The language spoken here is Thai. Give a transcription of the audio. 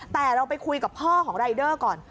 แต่เราไปคุยกับพ่อของรายเดอร์ก่อน